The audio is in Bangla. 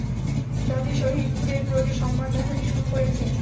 জাতি শহীদদের প্রতি সম্মান দেখাতে শুরু করেছে।